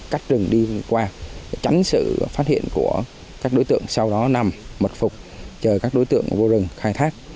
các rừng đi qua tránh sự phát hiện của các đối tượng sau đó nằm mật phục chờ các đối tượng vô rừng khai thác